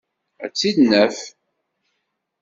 Ad tt-id-naf.